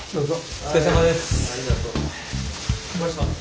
お疲れさまです。